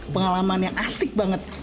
pengalaman yang asik banget